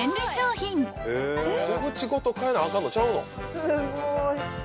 すごい。